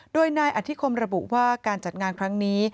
โดยนายอธิคมระบุว่าการจัดงานครั้งนี้